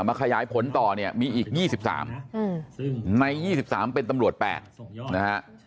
มาขยายผลต่อเนี่ยมีอีก๒๓ใน๒๓เป็นตำรวจ๘นะฮะ